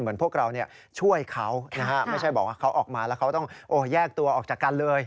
พวกเราช่วยเขานะฮะไม่ใช่บอกว่าเขาออกมาแล้วเขาต้องแยกตัวออกจากกันเลย